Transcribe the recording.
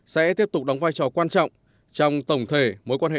sẽ tiếp tục đóng vai trò quan trọng trong tổng thể mối quan hệ